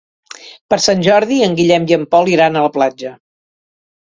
Per Sant Jordi en Guillem i en Pol iran a la platja.